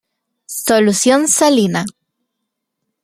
Solución salina.